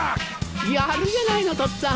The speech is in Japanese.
やるじゃないのとっつぁん！